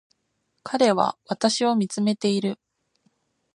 彼は私を見つめている